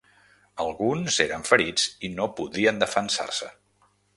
Alguns eren ferits i no podien defensar-se.